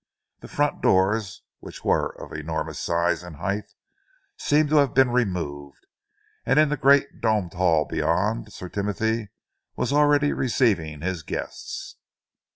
The front doors, which were of enormous size and height, seemed to have been removed, and in the great domed hall beyond Sir Timothy was already receiving his guests.